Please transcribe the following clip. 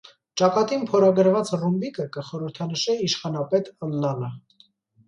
Ճակատին փորագրուած ռումբիկը կը խորհրդանշէ իշխանապետ ըլլալը։